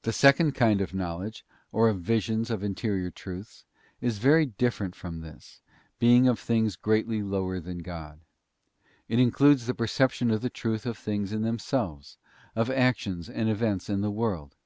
The second kind of knowledge, or of visions of interior truths, is very different from this, being of things greatly lower than God. It includes the perception of the truth of things in themselves, of actions and events in the world.